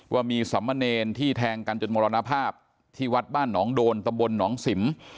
ว่ามีสามเณรที่แทงกันจนมรณภาพที่วัดบ้านหนองโดนตำบลหนองสิม